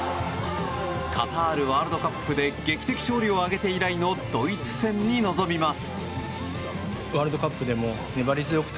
カタールワールドカップで劇的勝利を挙げて以来のドイツ戦に臨みます。